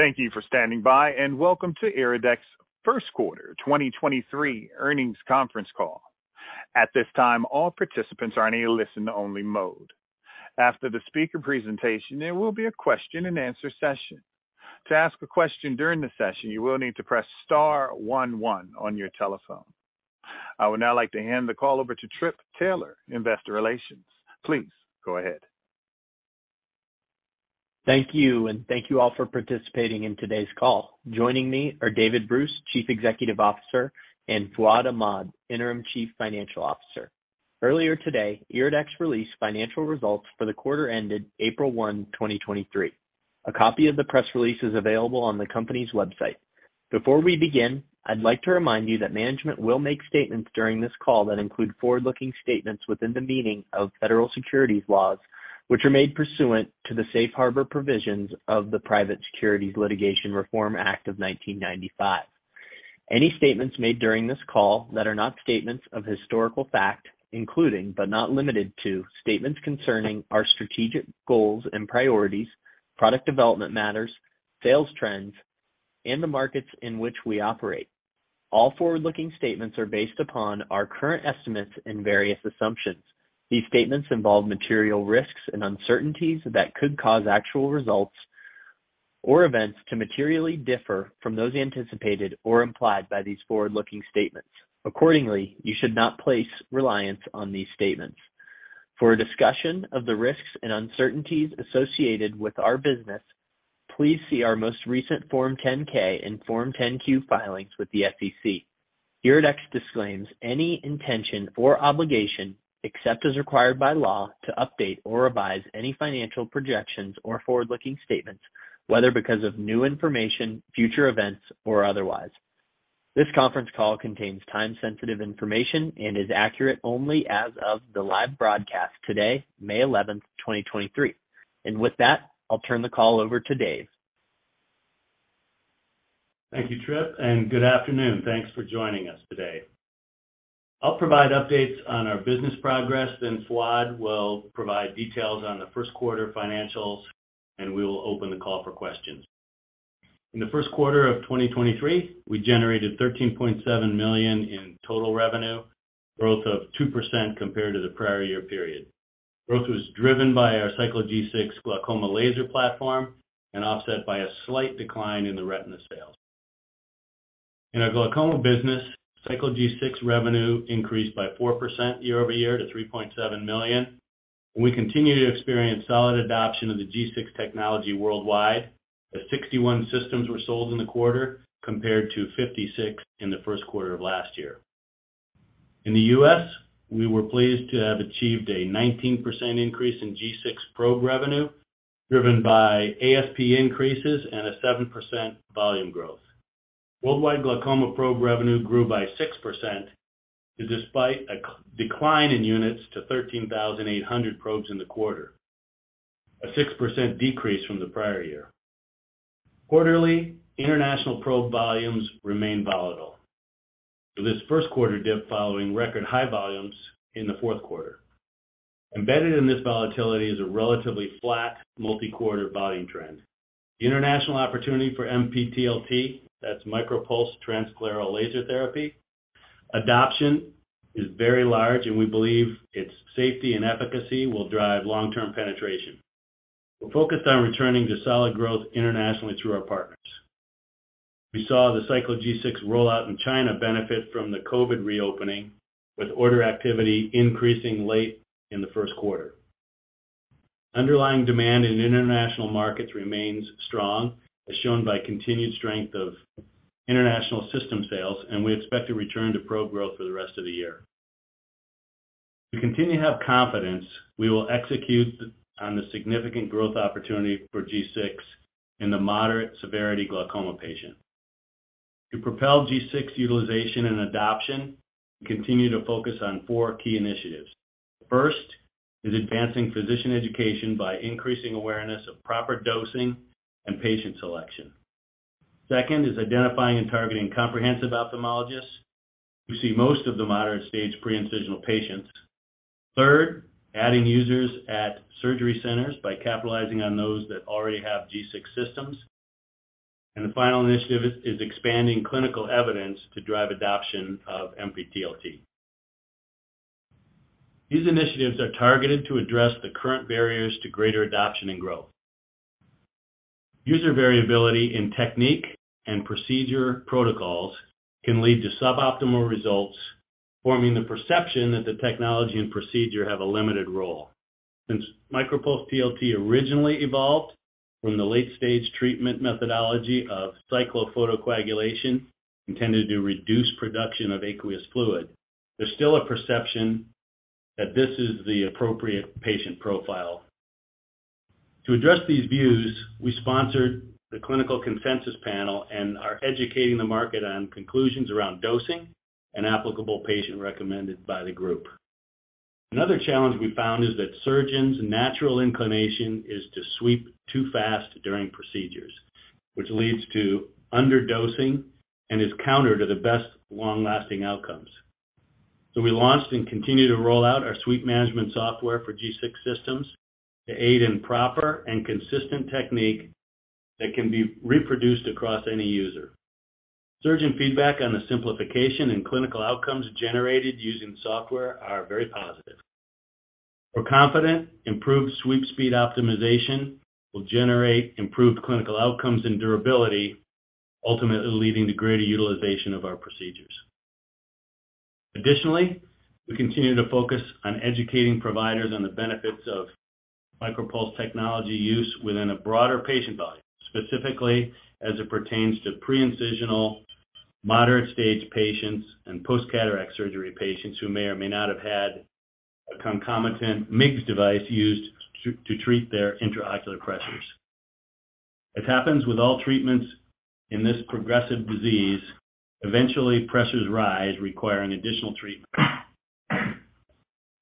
Thank you for standing by and welcome to IRIDEX First Quarter 2023 Earnings Conference Call. At this time, all participants are in a listen only mode. After the speaker presentation, there will be a question and answer session. To ask a question during the session, you will need to press star 11 on your telephone. I would now like to hand the call over to Trip Taylor, Investor Relations. Please go ahead. Thank you. Thank you all for participating in today's call. Joining me are David Bruce, Chief Executive Officer, and Fouad Ahmad, Interim Chief Financial Officer. Earlier today, IRIDEX released financial results for the quarter ended April 1, 2023. A copy of the press release is available on the company's website. Before we begin, I'd like to remind you that management will make statements during this call that include forward-looking statements within the meaning of Federal Securities laws, which are made pursuant to the Safe Harbor provisions of the Private Securities Litigation Reform Act of 1995. Any statements made during this call that are not statements of historical fact, including but not limited to, statements concerning our strategic goals and priorities, product development matters, sales trends, and the markets in which we operate. All forward-looking statements are based upon our current estimates and various assumptions. These statements involve material risks and uncertainties that could cause actual results or events to materially differ from those anticipated or implied by these forward-looking statements. Accordingly, you should not place reliance on these statements. For a discussion of the risks and uncertainties associated with our business, please see our most recent Form 10-K and Form 10-Q filings with the SEC. IRIDEX disclaims any intention or obligation, except as required by law, to update or revise any financial projections or forward-looking statements, whether because of new information, future events, or otherwise. This conference call contains time-sensitive information and is accurate only as of the live broadcast today, May 11th, 2023. With that, I'll turn the call over to Dave. Thank you, Trip. Good afternoon. Thanks for joining us today. I'll provide updates on our business progress. Fouad will provide details on the first quarter financials. We will open the call for questions. In the first quarter of 2023, we generated 13.7 million in total revenue, growth of 2% compared to the prior year period. Growth was driven by our Cyclo G6 glaucoma laser platform. Offset by a slight decline in the retina sales. In our glaucoma business, Cyclo G6 revenue increased by 4% year-over-year to 3.7 million. We continue to experience solid adoption of the G6 technology worldwide, as 61 systems were sold in the quarter compared to 56 in the first quarter of last year. In the U.S., we were pleased to have achieved a 19% increase in G6 probe revenue, driven by ASP increases and a 7% volume growth. Worldwide glaucoma probe revenue grew by 6% despite a decline in units to 13,800 probes in the quarter, a 6% decrease from the prior year. Quarterly, international probe volumes remain volatile. This first quarter dip following record high volumes in the fourth quarter. Embedded in this volatility is a relatively flat multi-quarter volume trend. The international opportunity for MPTLT, that's MicroPulse Transscleral Laser Therapy, adoption is very large, and we believe its safety and efficacy will drive long-term penetration. We're focused on returning to solid growth internationally through our partners. We saw the Cyclo G6 rollout in China benefit from the COVID reopening, with order activity increasing late in the first quarter. Underlying demand in international markets remains strong, as shown by continued strength of international system sales, and we expect a return to probe growth for the rest of the year. We continue to have confidence we will execute on the significant growth opportunity for G6 in the moderate severity glaucoma patient. To propel G6 utilization and adoption, we continue to focus on 4 key initiatives. First is advancing physician education by increasing awareness of proper dosing and patient selection. Second is identifying and targeting comprehensive ophthalmologists who see most of the moderate stage pre-incisional patients. Third, adding users at surgery centers by capitalizing on those that already have G6 systems. The final initiative is expanding clinical evidence to drive adoption of MPTLT. These initiatives are targeted to address the current barriers to greater adoption and growth. User variability in technique and procedure protocols can lead to suboptimal results, forming the perception that the technology and procedure have a limited role. Since MicroPulse TLT originally evolved from the late stage treatment methodology of cyclophotocoagulation intended to reduce production of aqueous fluid, there's still a perception that this is the appropriate patient profile. To address these views, we sponsored the clinical consensus panel and are educating the market on conclusions around dosing and applicable patient recommended by the group. Another challenge we found is that surgeons' natural inclination is to sweep too fast during procedures, which leads to underdosing and is counter to the best long-lasting outcomes. We launched and continue to roll out our Sweep Management Software for G6 systems to aid in proper and consistent technique that can be reproduced across any user. Surgeon feedback on the simplification and clinical outcomes generated using software are very positive. We're confident improved sweep speed optimization will generate improved clinical outcomes and durability, ultimately leading to greater utilization of our procedures. We continue to focus on educating providers on the benefits of MicroPulse technology use within a broader patient volume, specifically as it pertains to pre-incisional moderate stage patients and post-cataract surgery patients who may or may not have had a concomitant MIGS device used to treat their intraocular pressures. As happens with all treatments in this progressive disease, eventually pressures rise requiring additional treatment.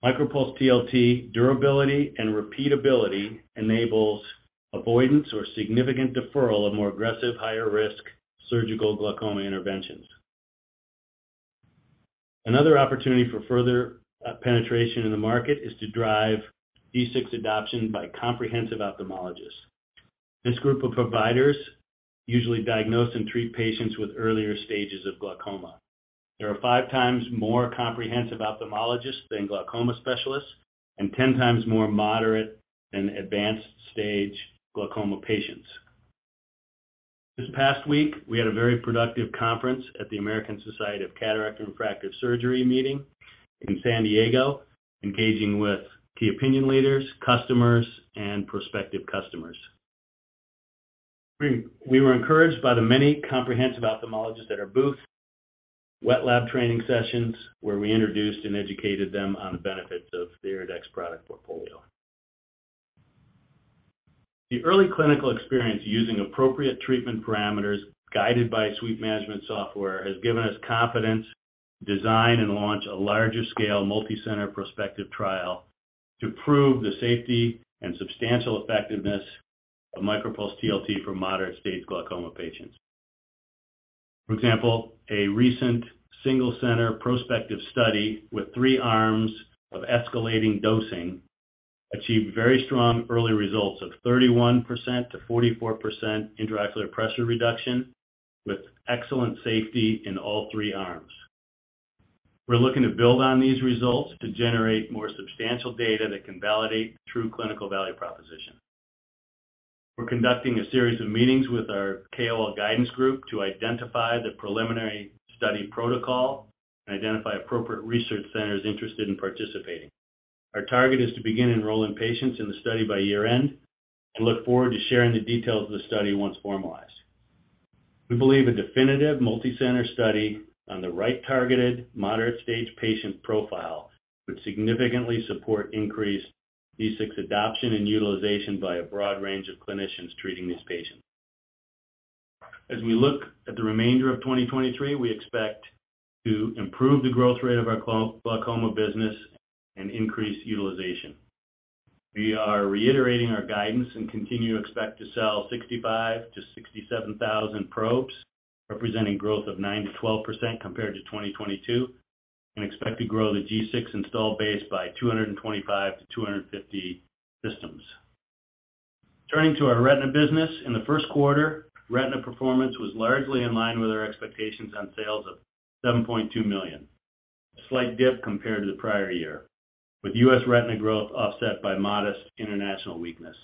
MicroPulse TLT durability and repeatability enables avoidance or significant deferral of more aggressive, higher risk surgical glaucoma interventions. Another opportunity for further penetration in the market is to drive G6 adoption by comprehensive ophthalmologists. This group of providers usually diagnose and treat patients with earlier stages of glaucoma. There are 5 times more comprehensive ophthalmologists than glaucoma specialists, and 10 times more moderate than advanced stage glaucoma patients. This past week, we had a very productive conference at the American Society of Cataract and Refractive Surgery meeting in San Diego, engaging with key opinion leaders, customers, and prospective customers. We were encouraged by the many comprehensive ophthalmologists at our booth wet lab training sessions, where we introduced and educated them on the benefits of the IRIDEX product portfolio. The early clinical experience using appropriate treatment parameters guided by Sweep Management Software has given us confidence to design and launch a larger scale multi-center prospective trial to prove the safety and substantial effectiveness of MicroPulse TLT for moderate stage glaucoma patients. For example, a recent single center prospective study with three arms of escalating dosing achieved very strong early results of 31%-44% intraocular pressure reduction with excellent safety in all three arms. We're looking to build on these results to generate more substantial data that can validate true clinical value proposition. We're conducting a series of meetings with our KOL guidance group to identify the preliminary study protocol and identify appropriate research centers interested in participating. Our target is to begin enrolling patients in the study by year-end and look forward to sharing the details of the study once formalized. We believe a definitive multi-center study on the right targeted moderate stage patient profile would significantly support increased G6 adoption and utilization by a broad range of clinicians treating these patients. As we look at the remainder of 2023, we expect to improve the growth rate of our glaucoma business and increase utilization. We are reiterating our guidance and continue to expect to sell 65,000-67,000 probes, representing growth of 9%-12% compared to 2022, and expect to grow the G6 installed base by 225 to 250 systems. Turning to our retina business. In the first quarter, retina performance was largely in line with our expectations on sales of $7.2 million. A slight dip compared to the prior year, with U.S. retina growth offset by modest international weakness.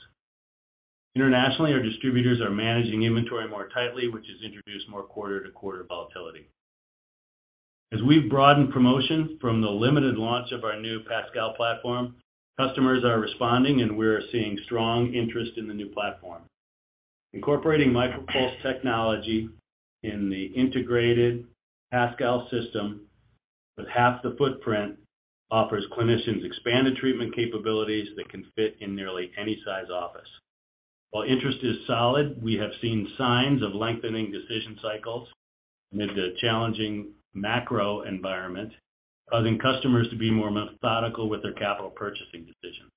Internationally, our distributors are managing inventory more tightly, which has introduced more quarter-to-quarter volatility. As we've broadened promotion from the limited launch of our new PASCAL platform, customers are responding, and we're seeing strong interest in the new platform. Incorporating MicroPulse technology in the integrated PASCAL system with half the footprint offers clinicians expanded treatment capabilities that can fit in nearly any size office. While interest is solid, we have seen signs of lengthening decision cycles amid the challenging macro environment, causing customers to be more methodical with their capital purchasing decisions.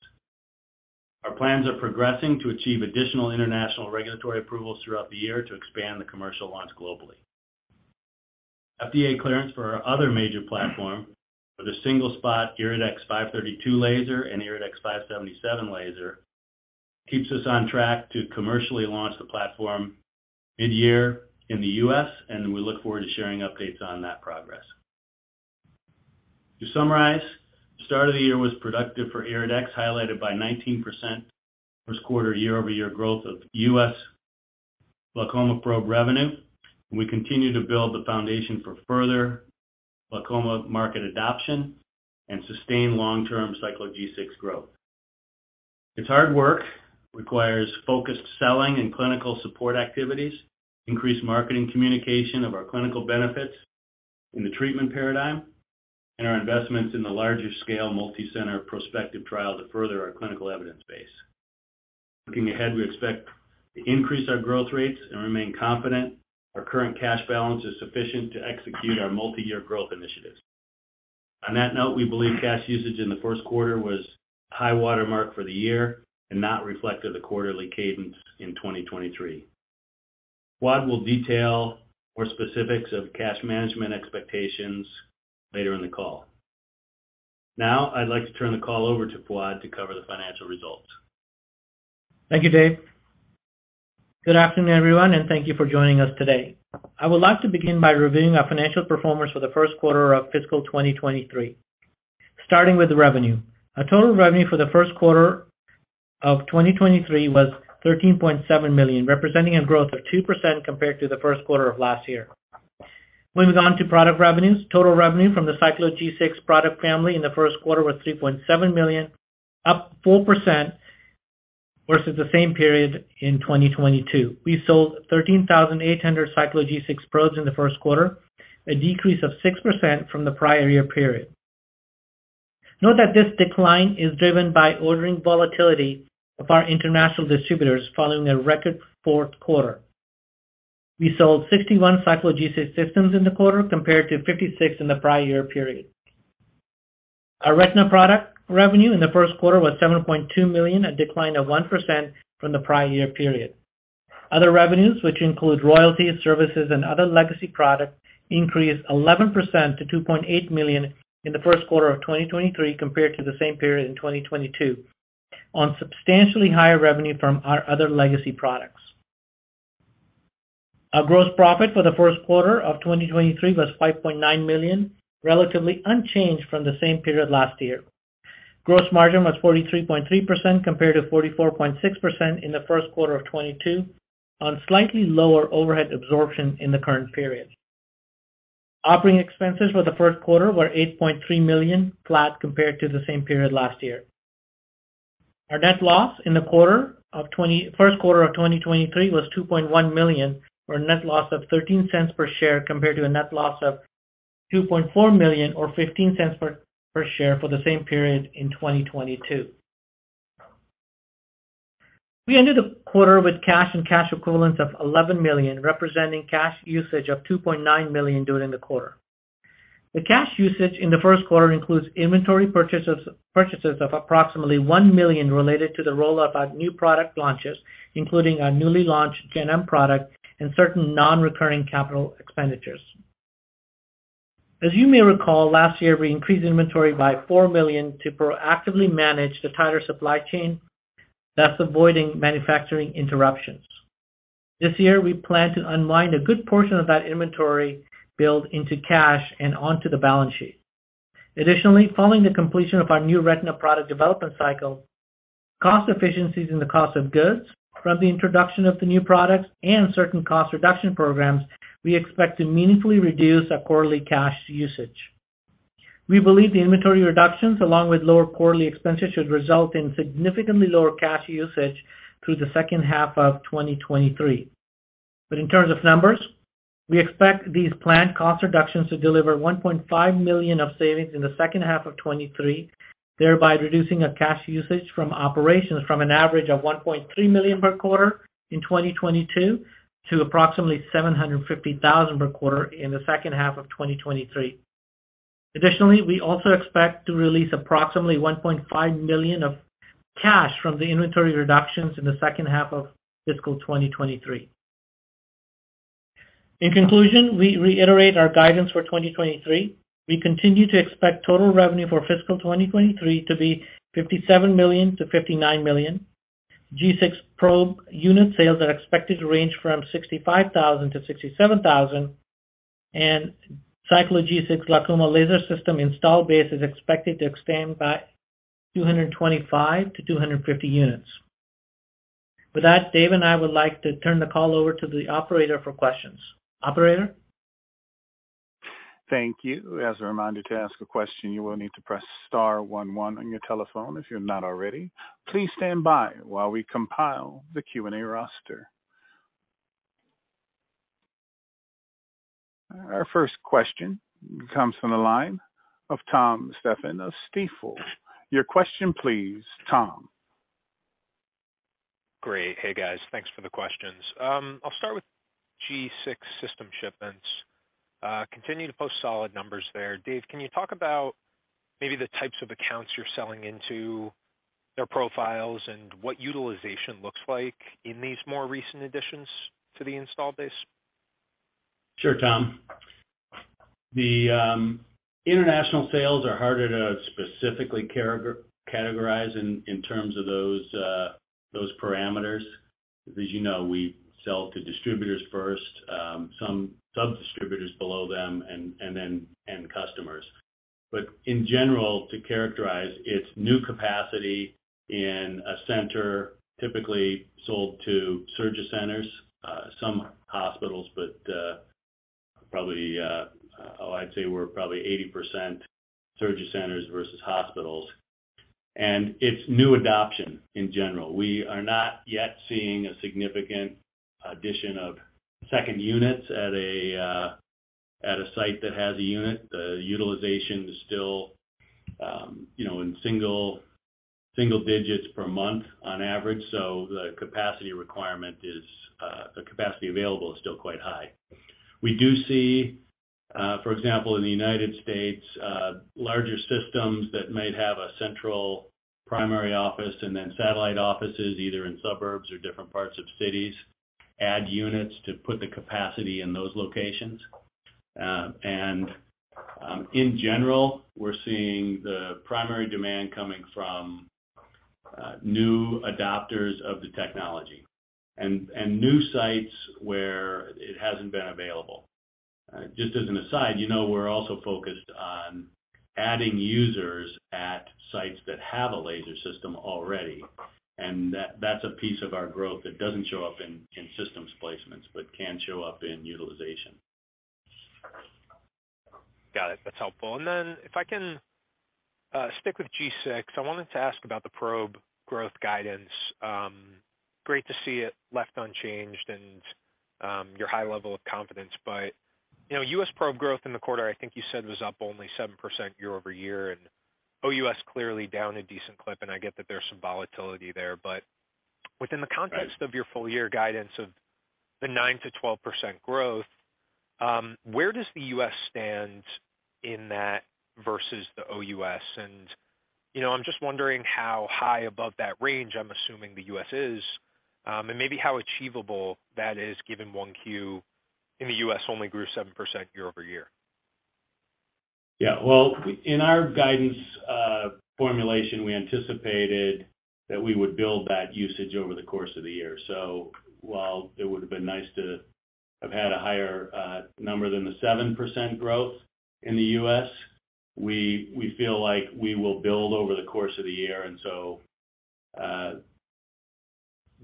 Our plans are progressing to achieve additional international regulatory approvals throughout the year to expand the commercial launch globally. FDA clearance for our other major platform for the single spot IRIDEX 532 laser and IRIDEX 577 laser keeps us on track to commercially launch the platform mid-year in the U.S., and we look forward to sharing updates on that progress. To summarize, the start of the year was productive for IRIDEX, highlighted by 19% first quarter year-over-year growth of U.S. glaucoma probe revenue. We continue to build the foundation for further glaucoma market adoption and sustain long-term Cyclo G6 growth. It's hard work, requires focused selling and clinical support activities, increased marketing communication of our clinical benefits in the treatment paradigm, and our investments in the larger scale multi-center prospective trial to further our clinical evidence base. Looking ahead, we expect to increase our growth rates and remain confident our current cash balance is sufficient to execute our multi-year growth initiatives. On that note, we believe cash usage in the first quarter was high watermark for the year and not reflective of quarterly cadence in 2023. Fuad will detail more specifics of cash management expectations later in the call. Now, I'd like to turn the call over to Fouad to cover the financial results. Thank you, Dave. Good afternoon, everyone, thank you for joining us today. I would like to begin by reviewing our financial performance for the first quarter of fiscal 2023. Starting with revenue. Our total revenue for the first quarter of 2023 was $13.7 million, representing a growth of 2% compared to the first quarter of last year. Moving on to product revenues. Total revenue from the Cyclo G6 product family in the first quarter was $3.7 million, up 4% versus the same period in 2022. We sold 13,800 Cyclo G6 probes in the first quarter, a decrease of 6% from the prior year period. Note that this decline is driven by ordering volatility of our international distributors following a record fourth quarter. We sold 61 Cyclo G6 systems in the quarter, compared to 56 in the prior year period. Our retina product revenue in the first quarter was $7.2 million, a decline of 1% from the prior year period. Other revenues, which include royalties, services, and other legacy products, increased 11% to $2.8 million in the first quarter of 2023 compared to the same period in 2022 on substantially higher revenue from our other legacy products. Our gross profit for the first quarter of 2023 was $5.9 million, relatively unchanged from the same period last year. Gross margin was 43.3% compared to 44.6% in the first quarter of 2022 on slightly lower overhead absorption in the current period. Operating expenses for the first quarter were $8.3 million, flat compared to the same period last year. Our net loss in the first quarter of 2023 was $2.1 million, or a net loss of $0.13 per share compared to a net loss of $2.4 million or $0.15 per share for the same period in 2022. We ended the quarter with cash and cash equivalents of $11 million, representing cash usage of $2.9 million during the quarter. The cash usage in the first quarter includes inventory purchases of approximately $1 million related to the rollout of our new product launches, including our newly launched Gen M product and certain non-recurring capital expenditures. As you may recall, last year we increased inventory by $4 million to proactively manage the tighter supply chain, thus avoiding manufacturing interruptions. This year, we plan to unwind a good portion of that inventory build into cash and onto the balance sheet. Additionally, following the completion of our new retina product development cycle, cost efficiencies in the cost of goods from the introduction of the new products and certain cost reduction programs, we expect to meaningfully reduce our quarterly cash usage. We believe the inventory reductions, along with lower quarterly expenses, should result in significantly lower cash usage through the second half of 2023. In terms of numbers, we expect these planned cost reductions to deliver $1.5 million of savings in the second half of 2023, thereby reducing our cash usage from operations from an average of $1.3 million per quarter in 2022 to approximately $750,000 per quarter in the second half of 2023. Additionally, we also expect to release approximately $1.5 million of cash from the inventory reductions in the second half of fiscal 2023. In conclusion, we reiterate our guidance for 2023. We continue to expect total revenue for fiscal 2023 to be $57 million-$59 million. G6 probe unit sales are expected to range from 65,000-67,000, and Cyclo G6 Glaucoma Laser System install base is expected to expand by 225-250 units. With that, Dave and I would like to turn the call over to the operator for questions. Operator? Thank you. As a reminder, to ask a question, you will need to press star one one on your telephone if you're not already. Please stand by while we compile the Q&A roster. Our first question comes from the line of Tom Stephan of Stifel. Your question please, Tom. Great. Hey, guys. Thanks for the questions. I'll start with G6 system shipments. Continue to post solid numbers there. Dave, can you talk about maybe the types of accounts you're selling into, their profiles, and what utilization looks like in these more recent additions to the install base? Sure, Tom. The international sales are harder to specifically categorize in terms of those parameters. As you know, we sell to distributors first, some sub-distributors below them and then end customers. In general, to characterize, it's new capacity in a center typically sold to surgery centers, some hospitals, but probably, I'd say we're probably 80% surgery centers versus hospitals. It's new adoption in general. We are not yet seeing a significant addition of second units at a site that has a unit. The utilization is still, you know, in single digits per month on average. The capacity requirement is the capacity available is still quite high. We do see, for example, in the United States, larger systems that might have a central primary office and then satellite offices, either in suburbs or different parts of cities, add units to put the capacity in those locations. In general, we're seeing the primary demand coming from new adopters of the technology and new sites where it hasn't been available. Just as an aside, you know, we're also focused on adding users at sites that have a laser system already, and that's a piece of our growth that doesn't show up in systems placements, but can show up in utilization. Got it. That's helpful. If I can stick with G6, I wanted to ask about the probe growth guidance. Great to see it left unchanged and your high level of confidence. You know, U.S. probe growth in the quarter, I think you said was up only 7% year-over-year, and OUS clearly down a decent clip, and I get that there's some volatility there. Within the context. Right. -of your full year guidance of the 9%-12% growth, where does the US stand in that versus the OUS? You know, I'm just wondering how high above that range I'm assuming the US is, and maybe how achievable that is, given 1Q in the US only grew 7% year-over-year. Yeah. Well, in our guidance, formulation, we anticipated that we would build that usage over the course of the year. While it would have been nice to have had a higher, number than the 7% growth in the U.S., we feel like we will build over the course of the year.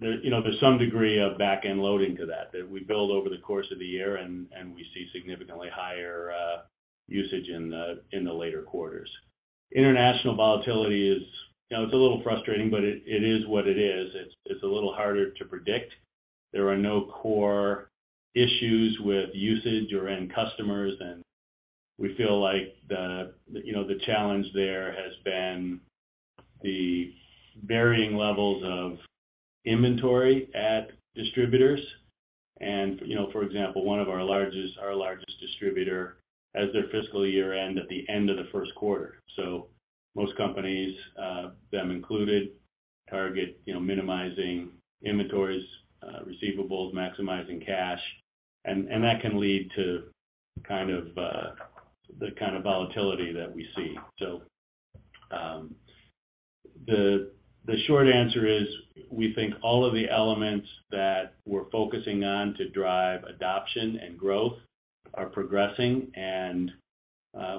There, you know, there's some degree of back-end loading to that we build over the course of the year and we see significantly higher, usage in the, in the later quarters. International volatility is, you know, it's a little frustrating, but it is what it is. It's a little harder to predict. There are no core issues with usage or end customers. We feel like the, you know, the challenge there has been the varying levels of inventory at distributors. You know, for example, one of our largest distributor as their fiscal year-end at the end of the first quarter. Most companies, them included, target, you know, minimizing inventories, receivables, maximizing cash, and that can lead to kind of the kind of volatility that we see. The short answer is, we think all of the elements that we're focusing on to drive adoption and growth are progressing, and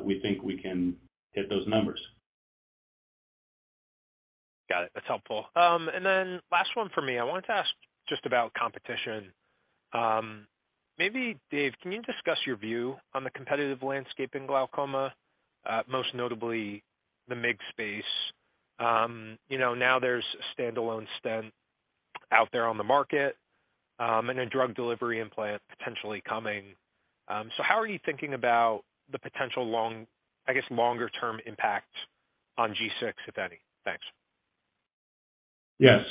we think we can hit those numbers. Got it. That's helpful. Last one for me. I wanted to ask just about competition. Maybe Dave, can you discuss your view on the competitive landscape in glaucoma, most notably the MIGS space? You know, now there's a standalone stent out there on the market, and a drug delivery implant potentially coming. How are you thinking about the potential long, I guess, longer-term impact on G6, if any? Thanks. Yes.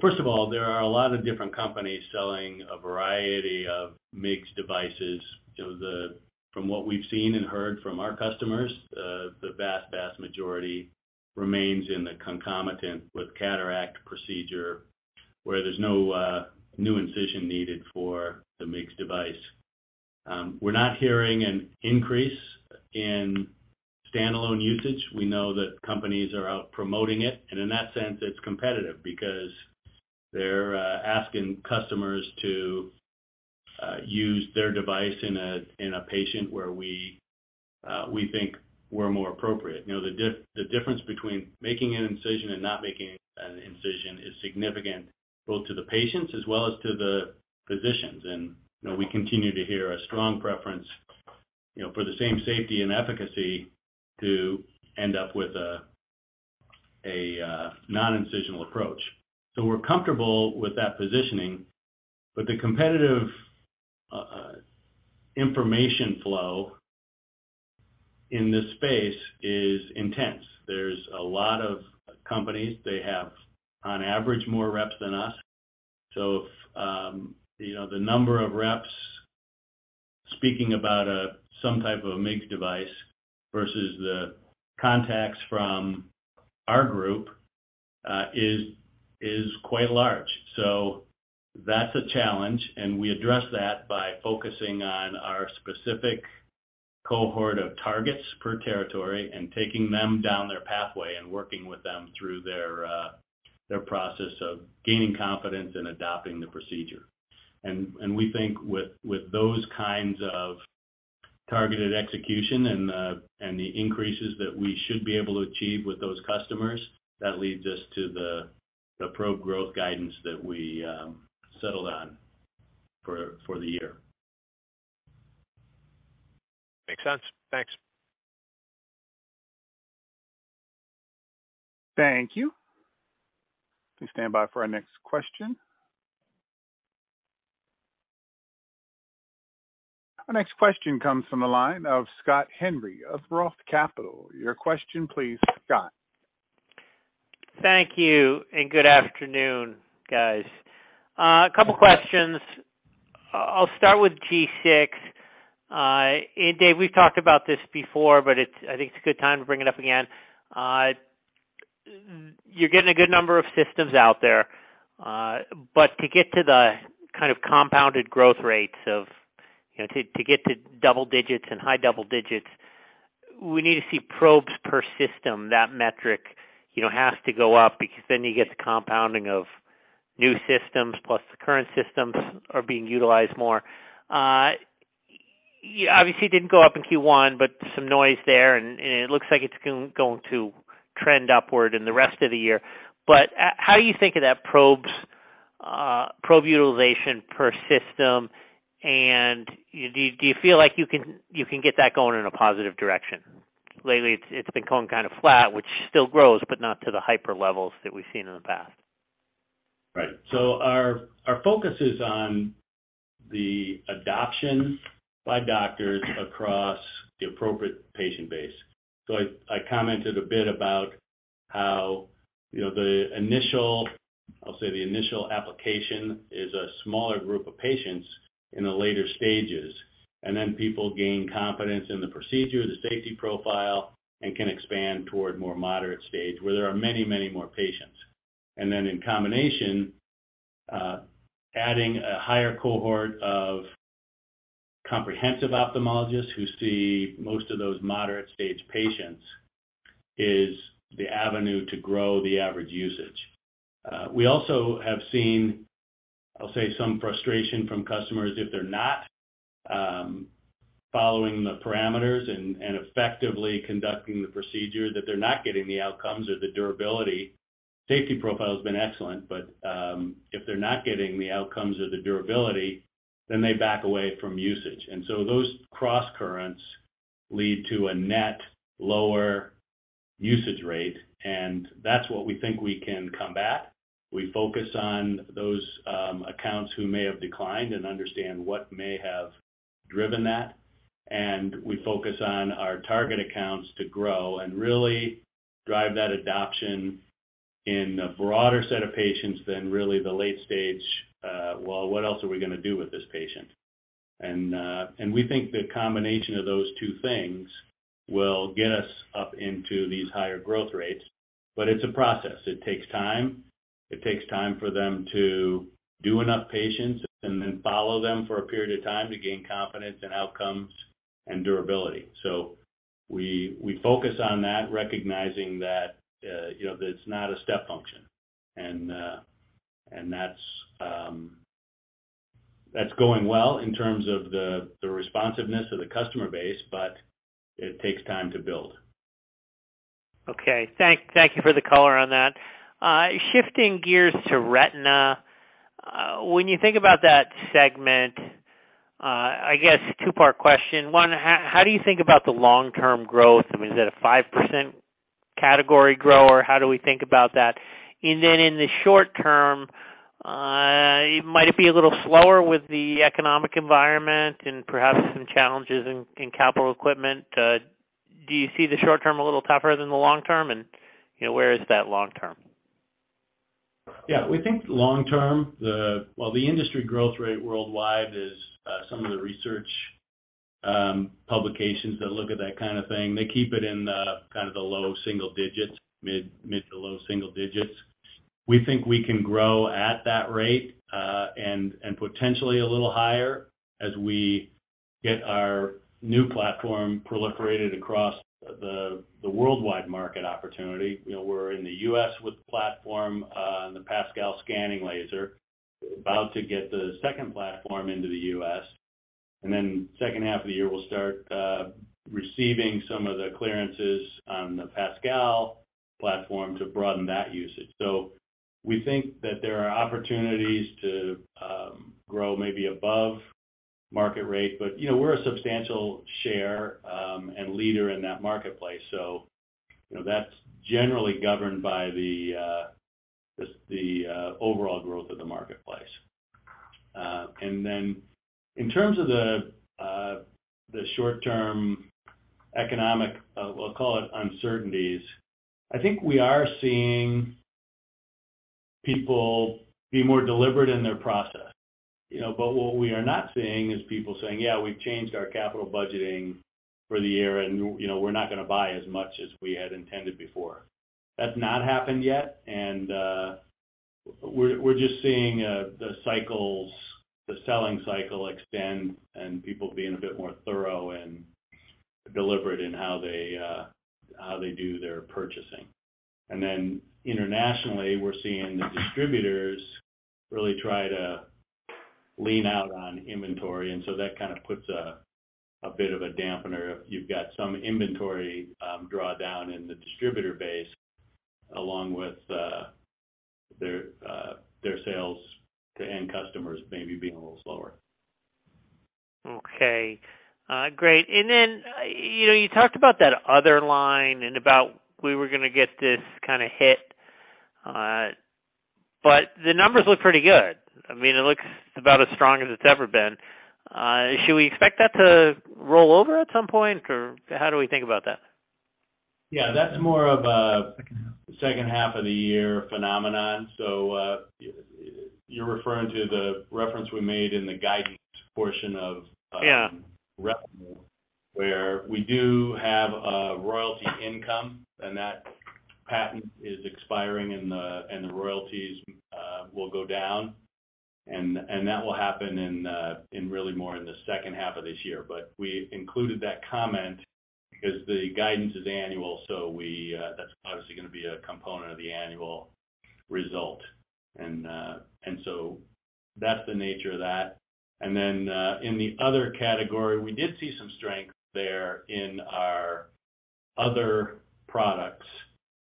First of all, there are a lot of different companies selling a variety of MIGS devices. You know, from what we've seen and heard from our customers, the vast majority remains in the concomitant with cataract procedure, where there's no new incision needed for the MIGS device. We're not hearing an increase in standalone usage. We know that companies are out promoting it, in that sense, it's competitive because they're asking customers to use their device in a patient where we think we're more appropriate. You know, the difference between making an incision and not making an incision is significant, both to the patients as well as to the physicians. You know, we continue to hear a strong preference, you know, for the same safety and efficacy to end up with a non-incisional approach. We're comfortable with that positioning. The competitive information flow in this space is intense. There's a lot of companies, they have, on average, more reps than us. You know, the number of reps speaking about some type of a MIGS device versus the contacts from our group is quite large. That's a challenge, and we address that by focusing on our specific cohort of targets per territory and taking them down their pathway and working with them through their process of gaining confidence and adopting the procedure. We think with those kinds of targeted execution and the increases that we should be able to achieve with those customers, that leads us to the pro-growth guidance that we settled on for the year. Makes sense. Thanks. Thank you. Please stand by for our next question. Our next question comes from the line of Scott Henry of Roth Capital. Your question, please, Scott. Thank you. Good afternoon, guys. A 2 questions. I'll start with G6. Dave, we've talked about this before, but I think it's a good time to bring it up again. You're getting a good number of systems out there, to get to the kind of compounded growth rates of, you know, to get to double-digit and high double-digit, we need to see probes per system. That metric, you know, has to go up because then you get the compounding of new systems, plus the current systems are being utilized more. Yeah, obviously it didn't go up in Q1, some noise there, and it looks like it's going to trend upward in the rest of the year. How you think of that probes, probe utilization per system, and do you feel like you can get that going in a positive direction? Lately, it's been going kind of flat, which still grows, but not to the hyper levels that we've seen in the past. Right. Our focus is on the adoption by doctors across the appropriate patient base. I commented a bit about how, you know, the initial, I'll say the initial application is a smaller group of patients in the later stages, and then people gain confidence in the procedure, the safety profile, and can expand toward more moderate stage where there are many more patients. In combination, adding a higher cohort of comprehensive ophthalmologists who see most of those moderate stage patients is the avenue to grow the average usage. We also have seen, I'll say, some frustration from customers if they're not following the parameters and effectively conducting the procedure that they're not getting the outcomes or the durability. Safety profile has been excellent, but if they're not getting the outcomes or the durability, then they back away from usage. Those crosscurrents lead to a net lower usage rate, and that's what we think we can combat. We focus on those accounts who may have declined and understand what may have driven that. We focus on our target accounts to grow and really drive that adoption in a broader set of patients than really the late stage, well, what else are we gonna do with this patient? We think the combination of those two things will get us up into these higher growth rates. It's a process. It takes time. It takes time for them to do enough patients and then follow them for a period of time to gain confidence in outcomes and durability. We focus on that, recognizing that, you know, that it's not a step function. That's going well in terms of the responsiveness of the customer base, but it takes time to build. Okay. Thank you for the color on that. Shifting gears to retina. When you think about that segment, I guess two-part question. One, how do you think about the long-term growth? I mean, is it a 5% category growth, or how do we think about that? Then in the short term, might it be a little slower with the economic environment and perhaps some challenges in capital equipment? Do you see the short term a little tougher than the long term? You know, where is that long term? Yeah. We think long term, Well, the industry growth rate worldwide is some of the research publications that look at that kind of thing, they keep it in the kind of the low single digits, mid to low single digits. We think we can grow at that rate and potentially a little higher as we get our new platform proliferated across the worldwide market opportunity. You know, we're in the U.S. with the platform and the PASCAL scanning laser. About to get the second platform into the U.S. Then second half of the year, we'll start receiving some of the clearances on the PASCAL platform to broaden that usage. We think that there are opportunities to grow maybe above market rate. You know, we're a substantial share, and leader in that marketplace, so, you know, that's generally governed by the just the overall growth of the marketplace. Then in terms of the the short term economic we'll call it uncertainties, I think we are seeing people be more deliberate in their process, you know? What we are not seeing is people saying, "Yeah, we've changed our capital budgeting for the year and, you know, we're not gonna buy as much as we had intended before." That's not happened yet. We're just seeing the cycles, the selling cycle expand and people being a bit more thorough and deliberate in how they how they do their purchasing. Internationally, we're seeing the distributors really try to lean out on inventory, and so that kind of puts a bit of a dampener if you've got some inventory, drawdown in the distributor base, along with, their sales to end customers maybe being a little slower. Okay. Great. You know, you talked about that other line and about we were gonna get this kind of hit. The numbers look pretty good. I mean, it looks about as strong as it's ever been. Should we expect that to roll over at some point, or how do we think about that? Yeah, that's more of a second half of the year phenomenon. You're referring to the reference we made in the guidance portion of? Yeah revenue, where we do have royalty income, and that patent is expiring and the royalties will go down. That will happen in really more in the second half of this year. We included that comment because the guidance is annual, so we that's obviously gonna be a component of the annual result. That's the nature of that. Then, in the other category, we did see some strength there in our other products,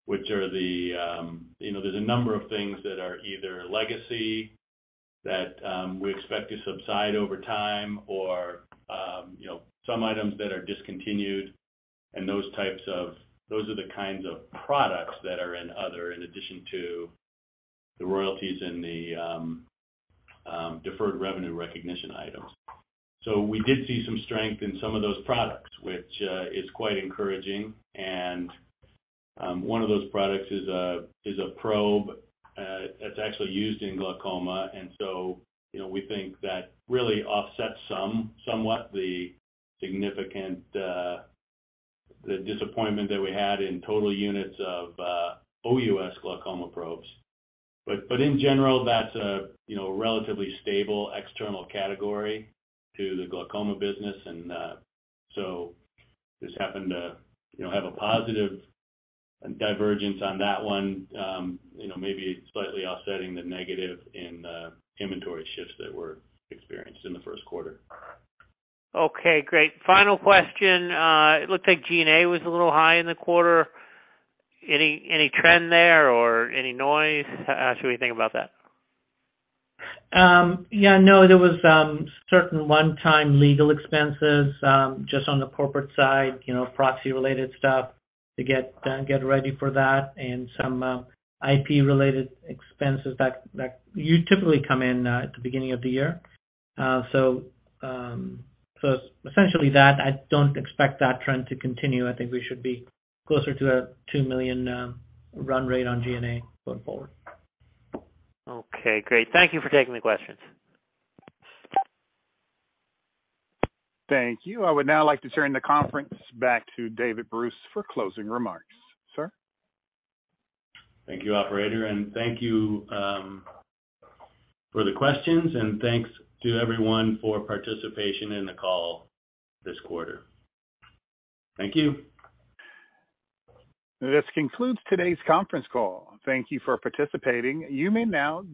which are the, you know, there's a number of things that are either legacy that we expect to subside over time or, you know, some items that are discontinued and those are the kinds of products that are in other, in addition to the royalties and the deferred revenue recognition items. we did see some strength in some of those products, which is quite encouraging. one of those products is a probe that's actually used in glaucoma. you know, we think that really offsets somewhat the significant disappointment that we had in total units of OUS glaucoma probes. in general, that's a, you know, relatively stable external category to the glaucoma business. this happened to, you know, have a positive divergence on that one, you know, maybe slightly offsetting the negative in the inventory shifts that were experienced in the first quarter. Okay, great. Final question. It looked like G&A was a little high in the quarter. Any trend there or any noise? How should we think about that? Yeah, no, there was certain one-time legal expenses just on the corporate side, you know, proxy related stuff to get ready for that and some IP related expenses that usually come in at the beginning of the year. Essentially that I don't expect that trend to continue. I think we should be closer to a $2 million run rate on G&A going forward. Okay, great. Thank you for taking the questions. Thank you. I would now like to turn the conference back to David Bruce for closing remarks. Sir? Thank you, operator. Thank you, for the questions. Thanks to everyone for participation in the call this quarter. Thank you. This concludes today's conference call. Thank you for participating. You may now.